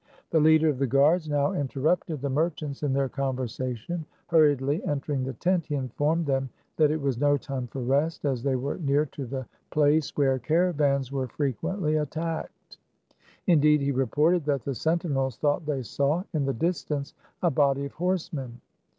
The leader of the guards now interrupted the merchants in their conversation. Hurriedly entering the tent, he informed them that it was no time for rest, as they were near to the place 154 THE CARAVAN. where caravans were frequently attacked. In deed he reported that the sentinels thought they saw, in the distance, a body of horsemen.